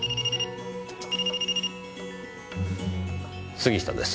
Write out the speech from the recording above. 杉下です。